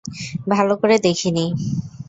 ভালো করে দেখিনি!